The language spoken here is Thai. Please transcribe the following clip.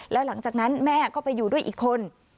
แล้วหลังจากนั้นแม่ก็ไปอยู่ด้วยอีกคน